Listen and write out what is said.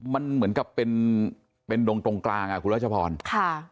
มันเหมือนกับเป็นเป็นดงตรงกลางอ่ะคุณรัชพรค่ะ